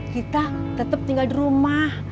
kita tetap tinggal di rumah